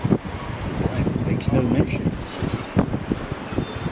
The Bible makes no mention of the city.